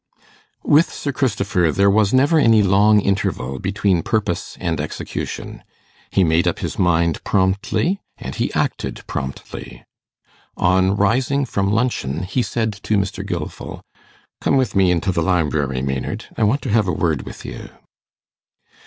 With Sir Christopher there was never any long interval between purpose and execution. He made up his mind promptly, and he acted promptly. On rising from luncheon, he said to Mr. Gilfil, 'Come with me into the library, Maynard. I want to have a word with you.